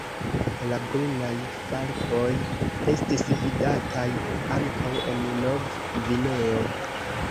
La Brunaj falkoj estis vidataj ankaŭ en Nov-Gvineo.